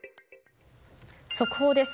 速報です。